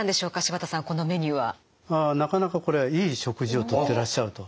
なかなかこれはいい食事をとってらっしゃると。